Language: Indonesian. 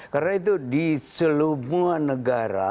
karena itu di selumuh negara